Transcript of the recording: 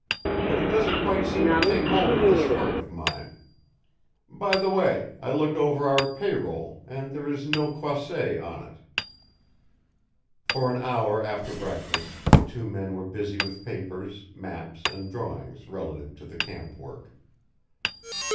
"But he doesn't quite seem to take hold of this hurt of mine. By the way, I looked over our pay roll and there is no Croisset on it." For an hour after breakfast the two men were busy with papers, maps and drawings relative to the camp work.